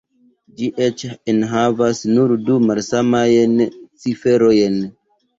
Ĝi eĉ enhavas nur du malsamajn ciferojn.